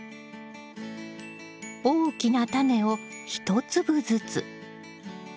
大きなタネを１粒ずつ。